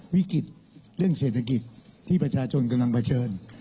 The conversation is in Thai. วิกฤตเรื่องเศรษฐกิจที่ประชาชนกำลังเผชิญ